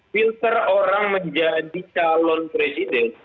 filter orang menjadi calon presiden